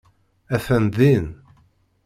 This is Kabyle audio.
Atan din.